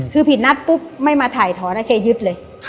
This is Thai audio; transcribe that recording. คือผิดนัดปุ๊บไม่มาถ่ายถอนโอเคยึดเลย